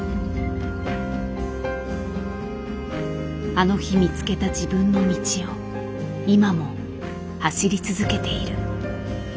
あの日見つけた自分の道を今も走り続けている。